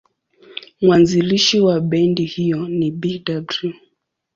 Mwanzilishi wa bendi hiyo ni Bw.